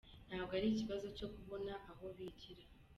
Ntabwo ari ikibazo cyo kubona aho bigira ".